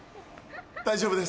大丈夫です。